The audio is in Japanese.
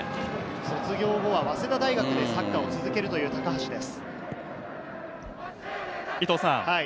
卒業後は早稲田大学でサッカーを続けるという高橋です。